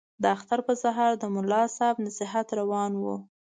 د اختر په سهار د ملا صاحب نصیحت روان وو.